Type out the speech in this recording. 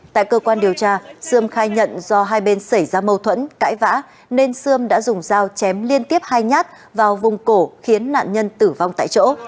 tại cơ quan điều tra sươm khai nhận do hai bên xảy ra mâu thuẫn cãi vã nên sươm đã dùng dao chém liên tiếp hai nhát vào vùng cổ khiến nạn nhân tử vong tại chỗ